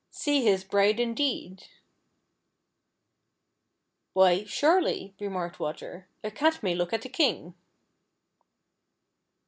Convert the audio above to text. See his bride indeed !" Why, surely," remarked Water, " a cat may look at a king